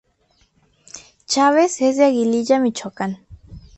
Chavez es de Aguililla, Michoacán.